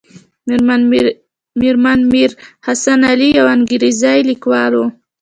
مېرمن میر حسن علي یوه انګریزۍ لیکواله وه.